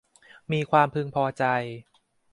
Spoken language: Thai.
มีความพึงพอใจ